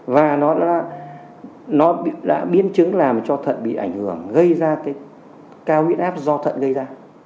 và nó biến chứng làm cho thận bị ảnh hưởng gây ra cái cao huyết áp do thận gây ra